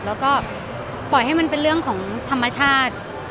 แล้วก็ปล่อยให้มันเป็นเรื่องของธรรมชาติ